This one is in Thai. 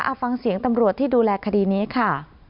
เอาฟังเสียงตำรวจที่ดูแลคดีนี้ค่ะ